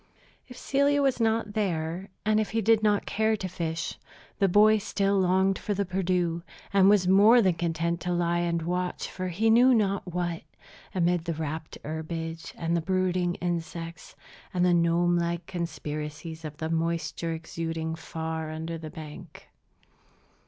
If Celia was not there, and if he did not care to fish, the boy still longed for the Perdu, and was more than content to lie and watch for he knew not what, amid the rapt herbage, and the brooding insects, and the gnome like conspiracies of the moisture exuding far under the bank.